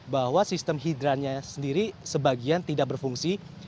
bahwa sistem hidran nya sendiri sebagian tidak berfungsi